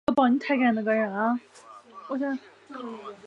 爆炸还会破坏附近之物体与生物个体。